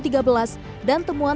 dan temuan tersebut